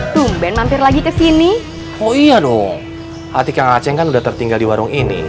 tumben mampir lagi kesini oh iya dong hati kaceng kan udah tertinggal di warung ini